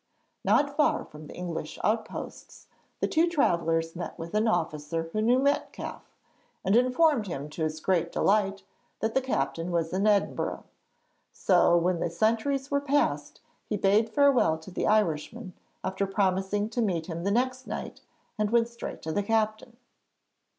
Not far from the English outposts the two travellers met with an officer who knew Metcalfe, and informed him to his great delight that the captain was in Edinburgh, so when the sentries were passed he bade farewell to the Irishman after promising to meet him the next night, and went straight to the captain.